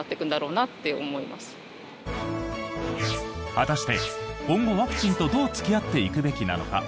果たして今後、ワクチンとどう付き合っていくべきなのか？